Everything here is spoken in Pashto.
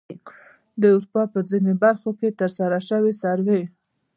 د اروپا په ځینو برخو کې د ترسره شوې سروې